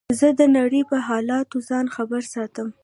زه د نړۍ په حالاتو ځان خبر ساتم.